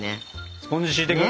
スポンジ敷いていく？